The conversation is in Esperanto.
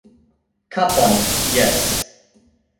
Kapon... jes...